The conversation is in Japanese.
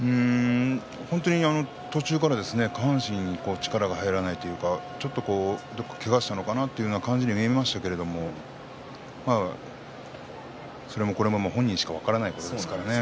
途中から下半身に力が入らないというかちょっと、どこかけがしたのかなという感じに見えましたけどそれもこれも本人しか分からないことですからね。